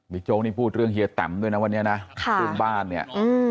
โจ๊กนี่พูดเรื่องเฮียแตมด้วยนะวันนี้นะเรื่องบ้านเนี่ย